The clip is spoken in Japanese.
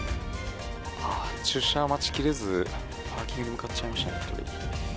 駐車を待ちきれず、パーキングに向かっちゃいましたね。